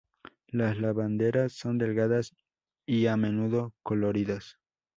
Las lavanderas son delgadas y a menudo coloridas.